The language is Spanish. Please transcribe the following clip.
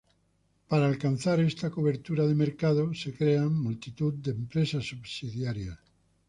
Para alcanzar esta cobertura de mercado, se crean multitud de empresas subsidiarias.